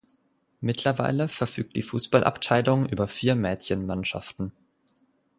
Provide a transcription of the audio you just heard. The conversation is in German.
Mittlerweile verfügt die Fußballabteilung über vier Mädchenmannschaften.